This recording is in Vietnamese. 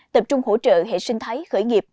tập trung hỗ trợ hệ sinh thái khởi nghiệp